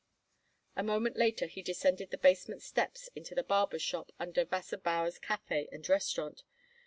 A moment later he descended the basement steps into the barber shop under Wasserbauer's Café and Restaurant.